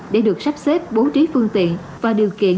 để được sắp xếp bố trí phương tiện và điều kiện